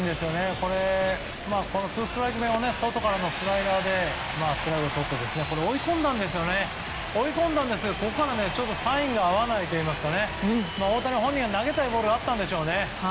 ツーストライク目は外からのスライダーでストライクをとって追い込んだんですがここからサインが合わないといいますか大谷本人は投げたいボールがあったんでしょうね。